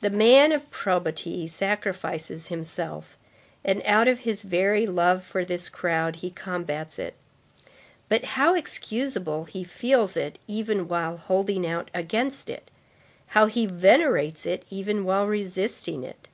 The man of probity sacrifices himself, and out of his very love for this crowd, he combats it. But how excusable he feels it even while holding out against it! How he venerates it even while resisting it!